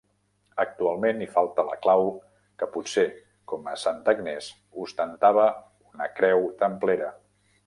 Actualment hi falta la clau que potser, com a Santa Agnès, ostentava una creu templera.